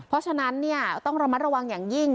เพราะฉะนั้นต้องระมัดระวังอย่างยิ่ง